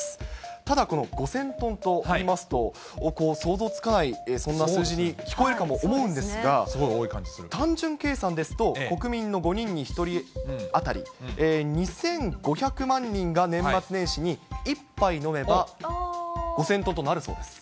ただ、この５０００トンといいますと、想像つかない、そんな数字に聞こえるかとも思うんですが、単純計算ですと、国民の５人に１人当たり、２５００万人が年末年始に１杯飲めば５０００トンとなるそうです。